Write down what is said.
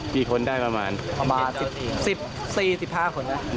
สี่คนได้ประมาณประมาณสิบสิบสี่สิบห้าคนน่ะ